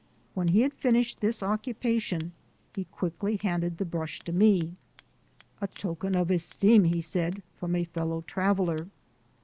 When he had finished this occupation, he quickly handed the brush to me. "A token of esteem," he said, "from a fellow traveller."